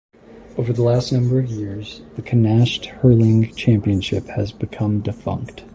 Over the last number of years the Connacht Hurling Championship has become defunct.